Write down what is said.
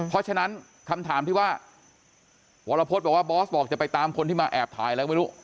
เพราะฉะนั้นคำถามที่ว่าวรพฤษบอกว่าบอสบอกจะไปตามคนที่มาแอบถ่ายอะไรก็ไม่รู้